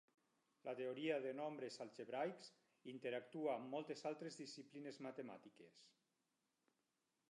La teoria de nombres algebraics interactua amb moltes altres disciplines matemàtiques.